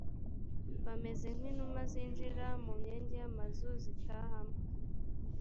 bameze nk inuma zinjira mu myenge y amazu zitahamo